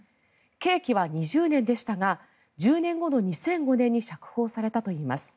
刑期は２０年でしたが１０年後の２００５年に釈放されたといいます。